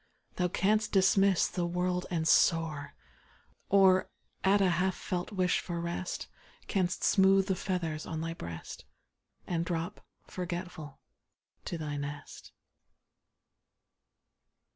Thou canst dismiss the world and soar, Or, at a half felt wish for rest. Canst smooth the feathers on thy breast, And drop, forgetful, to thy nest.